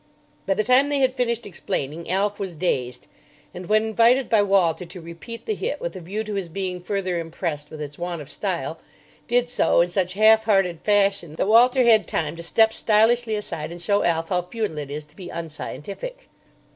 By the time they had finished explaining, Alf was dazed; and when invited by Walter to repeat the hit with a view to his being further impressed with its want of style, did so in such half hearted fashion that Walter had time to step stylishly aside and show Alf how futile it is to be unscientific.